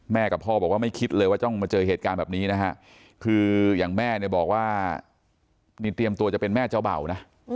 กับพ่อบอกว่าไม่คิดเลยว่าต้องมาเจอเหตุการณ์แบบนี้นะฮะคืออย่างแม่เนี่ยบอกว่านี่เตรียมตัวจะเป็นแม่เจ้าเบ่านะ